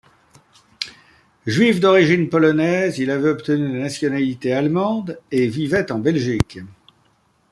Juif d'origine polonaise, il avait obtenu la nationalité allemande et vivait en Belgique.